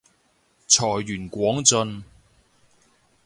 財源廣進